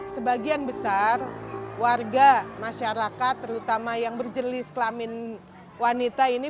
sebagian besar warga masyarakat terutama yang berjenis kelamin wanita ini